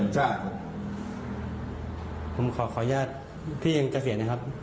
จะเสียที่ปีเนี่ย